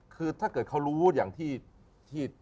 คือถ้าเกิดเขารู้อย่างที่